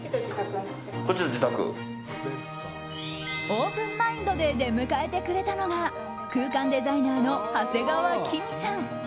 オープンマインドで出迎えてくれたのが空間デザイナーの長谷川喜美さん。